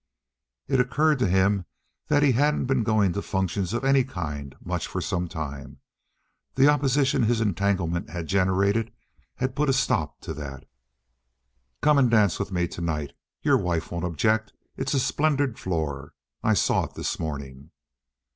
It occurred to him that he hadn't been going to functions of any kind much for some time. The opposition his entanglement had generated had put a stop to that. "Come and dance with me to night. Your wife won't object. It's a splendid floor. I saw it this morning."